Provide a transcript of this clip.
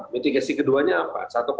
mitigasi keduanya apa